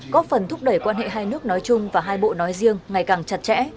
góp phần thúc đẩy quan hệ hai nước nói chung và hai bộ nói riêng ngày càng chặt chẽ